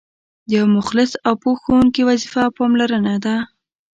د یو مخلص او پوه ښوونکي وظیفه پاملرنه ده.